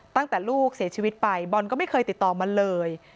ตั้งแต่ลูกเสียชีวิตไปบอลก็ไม่เคยติดต่อมาเลย